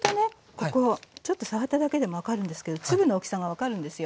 ここちょっと触っただけでも分かるんですけど粒の大きさが分かるんですよ。